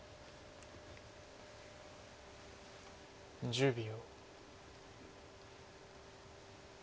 １０秒。